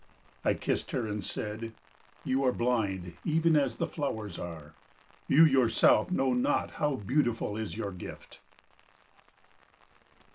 I kissed her and said, "You are blind even as the flowers are. You yourself know not how beautiful is your gift."